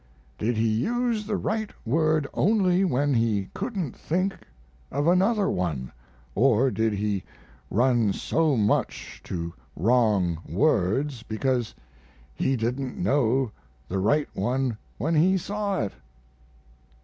Did he use the right word only when he couldn't think of another one, or did he run so much to wrong words because he didn't know the right one when he saw it?